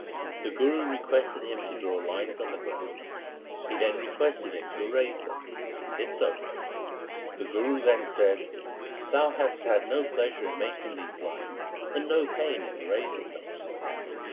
The Guru requested him to draw lines on the ground. He then requested him to erase them. He did so. The Guru then said, ' Thou hast had no pleasure in making these lines and no pain in erasing them.'